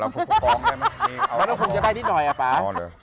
ไม่ต้องคงจะได้นิดหน่อยอ่ะป๊า